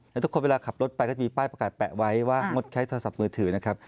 แล้วทุกคนเวลาขับรถไปก็จะมีป้ายประกาศแปะไว้ว่างดใช้โทรศัพท์มือถือนะครับ